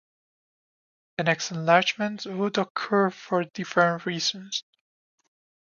The next enlargement would occur for different reasons.